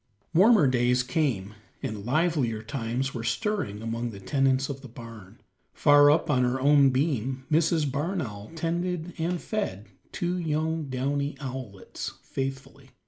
Warmer days came, and livelier times were stirring among the tenants of the barn. Far up on her own beam Mrs. Barn Owl tended and fed two young downy owlets faithfully.